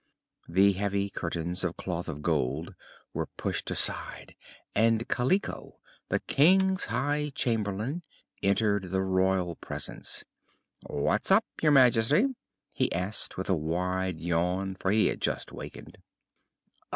The heavy curtains of cloth of gold were pushed aside and Kaliko, the King's High Chamberlain, entered the royal presence. "What's up, Your Majesty?" he asked, with a wide yawn, for he had just wakened.